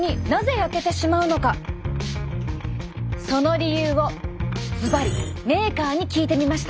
その理由をズバリメーカーに聞いてみました。